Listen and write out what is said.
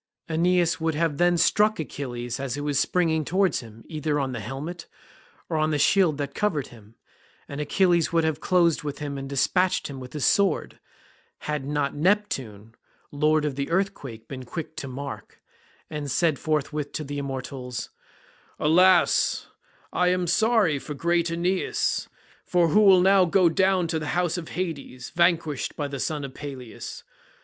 Aeneas would then have struck Achilles as he was springing towards him, either on the helmet, or on the shield that covered him, and Achilles would have closed with him and despatched him with his sword, had not Neptune lord of the earthquake been quick to mark, and said forthwith to the immortals, "Alas, I am sorry for great Aeneas, who will now go down to the house of Hades, vanquished by the son of Peleus.